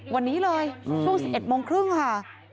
วันนี้เลยช่วง๑๑โมงครึ่งค่ะ